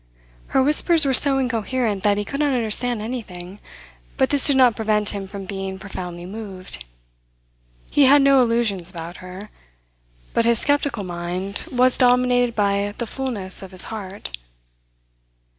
Her whispers were so incoherent that he could not understand anything; but this did not prevent him from being profoundly moved. He had no illusions about her; but his sceptical mind was dominated by the fulness of his heart.